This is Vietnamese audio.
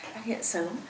phát hiện sớm